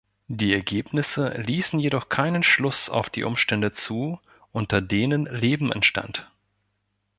Die Ergebnisse ließen jedoch keinen Schluss auf die Umstände zu, unter denen Leben entstand.